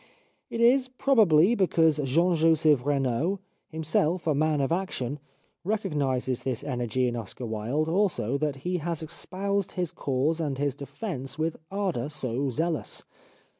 It is, probably, because Jean Joseph Renaud, himself a man of action, recognises this energy in Oscar Wilde also that he has espoused his cause and his defence with ardour so zealous.